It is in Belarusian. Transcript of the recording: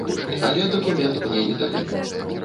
Але дакумент мне не далі.